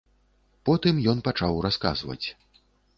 Потым ён пачаў расказваць.